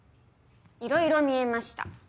いろいろ見えました。